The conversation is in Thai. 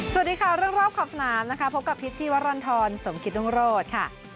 สวัสดีค่ะเรื่องรอบขอบสนามนะคะพบกับพิษชีวรรณฑรสมคิตรุงโรธค่ะ